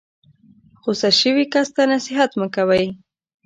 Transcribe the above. غسه شوي کس ته نصیحت مه کوئ.